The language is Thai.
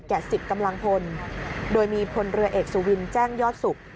๑๐กำลังพลโดยมีพลเรือเอกสุวินแจ้งยอดสุข